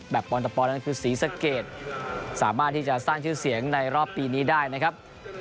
ปอนตะปอนนั้นคือศรีสะเกดสามารถที่จะสร้างชื่อเสียงในรอบปีนี้ได้นะครับ